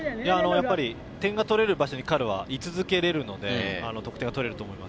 点が取れる場所に彼は、居続けれるので得点が取れると思います。